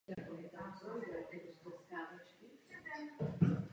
V rámci urychlení získání občanství podstoupil adopci.